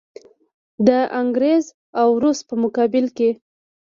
د انګریز او روس په مقابل کې.